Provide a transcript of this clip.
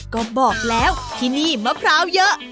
ก็บอกแล้วที่นี่มะพร้าวเยอะ